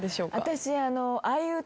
私。